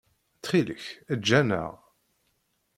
Ttxil-k, eǧǧ-aneɣ.